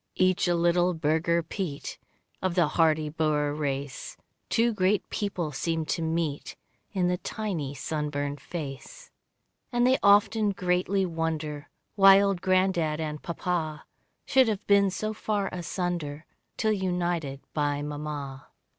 Each a little Burgher Piet Of the hardy Boer race, Two great peoples seem to meet In the tiny sunburned face. And they often greatly wonder Why old granddad and Papa, Should have been so far asunder, Till united by mamma.